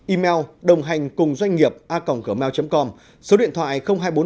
email đồnghanhcungdoanhnghiệp a gmail com số điện thoại hai trăm bốn mươi ba hai trăm sáu mươi sáu chín nghìn năm trăm linh ba